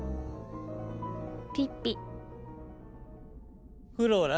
ピッピフローラ。